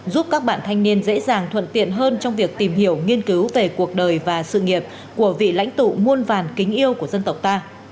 giúp các bạn thanh niên dễ dàng thuận tiện hơn trong việc tìm hiểu nghiên cứu về cuộc đời và sự nghiệp của vị lãnh tụ muôn vàn kính yêu của dân tộc ta